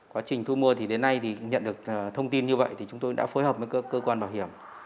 quá trình thu mua thì đến nay thì nhận được thông tin như vậy thì chúng tôi đã phối hợp với các cơ quan bảo hiểm